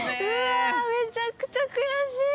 めちゃくちゃ悔しい。